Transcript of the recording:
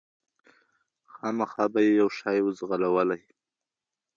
خامخا به یې یو شی وو ځغلولی